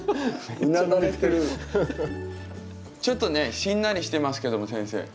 ちょっとねしんなりしてますけども先生。